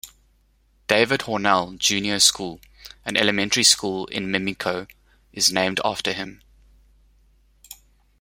David Hornell Junior School, an elementary school in Mimico is named after him.